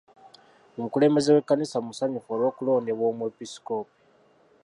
Omukulembeze w'ekkanisa musanyufu olw'okulondebwa omwepisikoopi.